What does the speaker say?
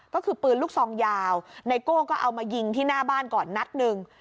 ก็คือปืนลูกซองยาวไนโก้ก็เอามายิงที่หน้าบ้านก่อนนัดหนึ่ง